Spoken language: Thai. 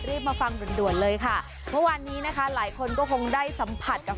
มาฟังด่วนด่วนเลยค่ะเมื่อวานนี้นะคะหลายคนก็คงได้สัมผัสกับ